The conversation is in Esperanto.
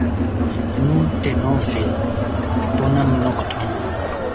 Nu denove, bonan nokton.